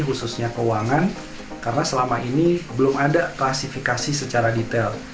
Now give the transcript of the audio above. khususnya keuangan karena selama ini belum ada klasifikasi secara detail